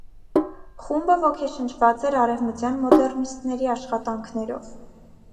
Խումբը ոգեշնչված էր արևմտյան մոդեռնիստների աշխատաներով։